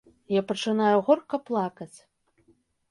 Я пачынаю горка плакаць.